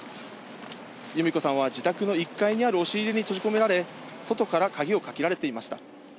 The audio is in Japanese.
由美子さんは自宅の１階にある押入れに閉じ込められ、外から鍵をかけられていました。